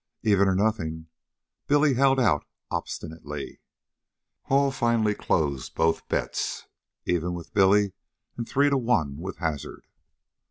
"Even or nothing," Billy held out obstinately. Hall finally closed both bets even with Billy, and three to one with Hazard.